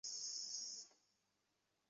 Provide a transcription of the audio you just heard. তোমার ফোন কোথায়?